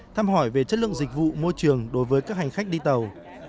thăm hỏi về chất lượng dịch vụ môi trường đối với các hành khách đi tàu